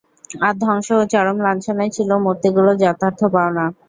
আর ধ্বংস ও চরম লাঞ্ছনাই ছিল মূর্তিগুলোর যথার্থ পাওনা।